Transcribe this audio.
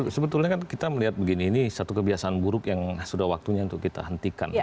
sebetulnya kan kita melihat begini ini satu kebiasaan buruk yang sudah waktunya untuk kita hentikan